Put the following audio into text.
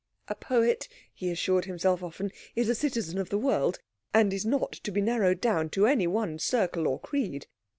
"A poet," he assured himself often, "is a citizen of the world, and is not to be narrowed down to any one circle or creed."